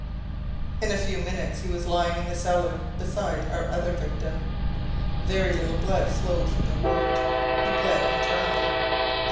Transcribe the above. "In a few minutes he was lying in the cellar, beside our other victim. Very little blood flowed from the wound; he bled internally.